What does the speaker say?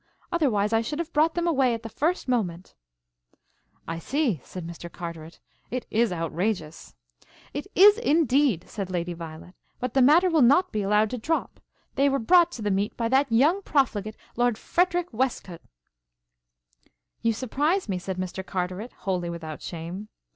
Otherwise, I should have brought them away at the first moment." "I see," said Mr. Carteret. "It is outrageous." "It is indeed!" said Lady Violet; "but the matter will not be allowed to drop. They were brought to the meet by that young profligate, Lord Frederic Westcote." "You surprise me," said Mr. Carteret, wholly without shame.